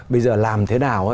bây giờ làm thế nào